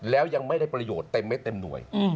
แล้วยังไม่ได้ประโยชน์เต็มเม็ดเต็มหน่วย